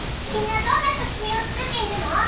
みんなどんな作品を作っているの？